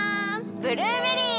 ブルーベリー！